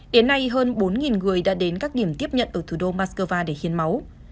đến nay hơn bốn người đã đến các điểm tiếp nhận ở thủ đô moscow để hiến máu